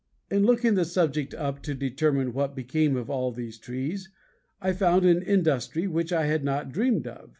In looking the subject up to determine what became of all these Trees I found an industry which I had not dreamed of.